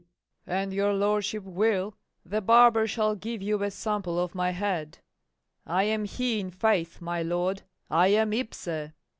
And your lordship will, the barber shall give you a sample of my head: I am he in faith, my lord; I am ipse. MORE.